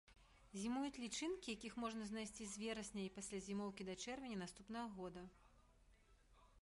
Зімуюць лічынкі, якіх можна знайсці з верасня і, пасля зімоўкі, да чэрвеня наступнага года.